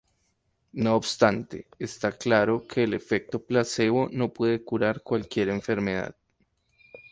No obstante, está claro que el efecto placebo no puede curar cualquier enfermedad.